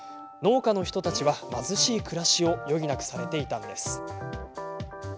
農家の人たちは、貧しい暮らしを余儀なくされていたんです。